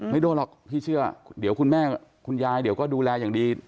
ไม่ได้หรอกดีกว่าคุณแม่คุณยายเดี๋ยวก็ดูแลอย่างดี